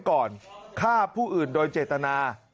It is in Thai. ก่อนเจตนา